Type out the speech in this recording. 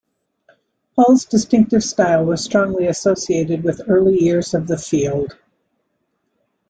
Paul's distinctive style was strongly associated with the early years of the field.